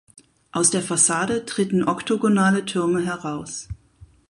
Aus der Fassade treten oktogonale Türme heraus.